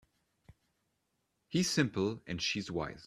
He's simple and she's wise.